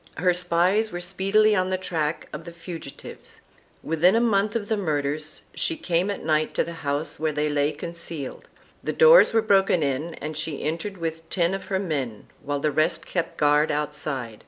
Her spies were speedily on the track of the fugitives; within a month of the murders she came at night to the house where they lay concealed; the doors were broken in and she entered with ten of her men while the rest kept guard outside.